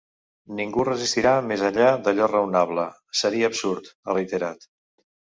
Ningú resistirà més enllà d’allò raonable, seria absurd, ha reiterat.